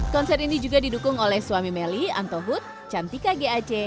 konser ini juga didukung oleh suami melly antohut cantika gac